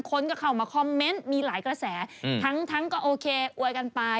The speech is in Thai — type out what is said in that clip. คนก็เข้ามาคอมเมนต์มีหลายกระแสทั้งก็โอเคอวยกันไป